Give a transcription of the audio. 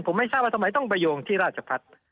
ผมไม่ทราบว่าทำไมต้องไปโยงที่ราชพัฒน์